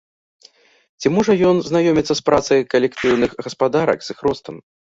Ці можа ён знаёміцца з працай калектыўных гаспадарак, з іх ростам?